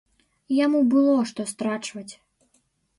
Яму было, што страчваць.